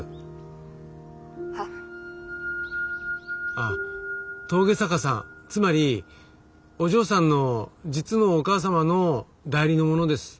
ああ峠坂さんつまりお嬢さんの実のお母様の代理の者です。